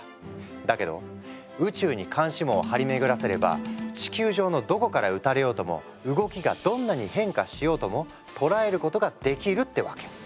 だけど宇宙に監視網を張り巡らせれば地球上のどこから撃たれようとも動きがどんなに変化しようとも捉えることができるってわけ。